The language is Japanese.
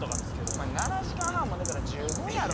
お前７時間半も寝たら十分やろ。